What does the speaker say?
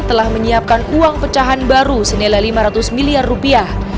telah menyiapkan uang pecahan baru senilai lima ratus miliar rupiah